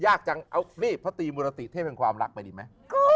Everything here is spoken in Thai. ยากจังเอานี่พระตรีมุรติเทพแห่งความรักไปดีไหม